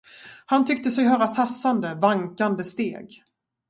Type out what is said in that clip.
Han tyckte sig höra tassande, vankande steg.